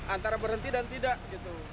antara berhenti dan tidak gitu